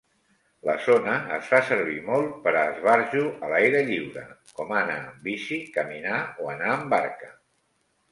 La zona es fa servir molt per a esbarjo a l'aire lliure, com anar en bici, caminar o anar amb barca.